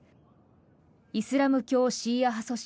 イスラム教シーア派組織